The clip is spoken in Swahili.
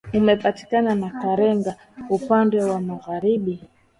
Umepakana na Kagera upande wa magharibi